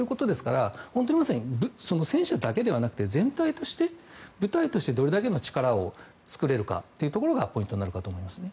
本当に戦車だけではなくて全体として、部隊としてどれだけの力を作れるかがポイントになるかと思います。